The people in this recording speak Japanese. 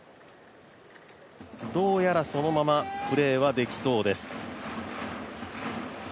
どうやらそのまま、プレーはできそうです。